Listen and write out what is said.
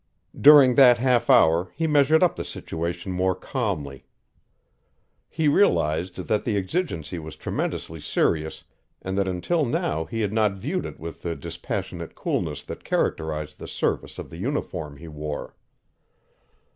During that half hour he measured up the situation more calmly. He realized that the exigency was tremendously serious, and that until now he had not viewed it with the dispassionate coolness that characterized the service of the uniform he wore.